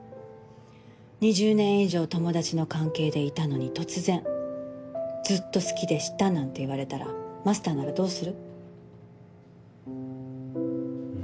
２０年以上友達の関係でいたのに突然「ずっと好きでした」なんて言われたらマスターならどうする？